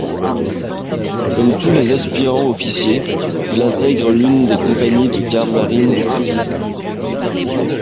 Comme tous les aspirants officiers, il intègre l'une des compagnies de garde-marine de Brest.